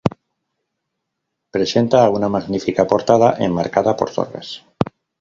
Presenta una magnífica portada enmarcada por torres.